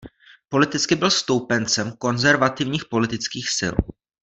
Politicky byl stoupencem konzervativních politických sil.